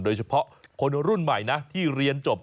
โดยเฉพาะคนรุ่นใหม่นะที่เรียนจบ